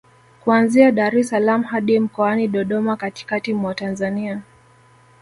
kuanzia Dar es salaam hadi mkoani Dodoma katikati mwa Tanzania